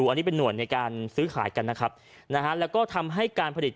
อันนี้เป็นห่วยในการซื้อขายกันนะครับนะฮะแล้วก็ทำให้การผลิต